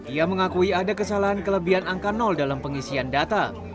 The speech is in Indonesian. ia mengakui ada kesalahan kelebihan angka dalam pengisian data